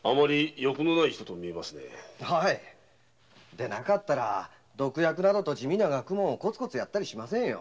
でなかったら「毒薬」などの地味な学問をコツコツやったりしませんよ。